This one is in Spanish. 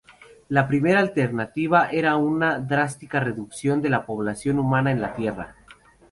La primera alternativa era una drástica reducción de la población humana en la tierra.